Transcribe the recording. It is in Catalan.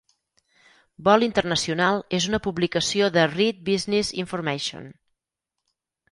"Vol internacional" és una publicació de Reed Business Information.